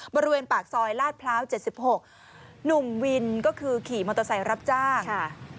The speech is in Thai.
บริเวณปากซอยลาดพร้าว๗๖หนุ่มวินก็คือขี่มอเตอร์ไซค์รับจ้างค่ะ